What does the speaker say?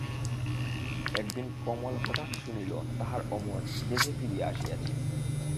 একদিন কমল হঠাৎ শুনিল তাহার অমর দেশে ফিরিয়া আসিয়াছে।